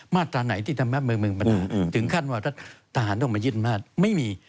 มาตราไหนที่ทำแม้เมืองถึงขั้นว่ารัฐทหารต้องมายึดอำนาจไม่มี